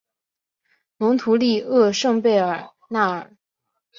蒙图利厄圣贝尔纳尔。